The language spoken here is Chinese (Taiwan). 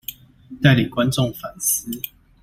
帶領觀眾反思